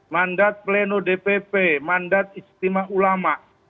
mandat pleno dpp mandat istimewa ulama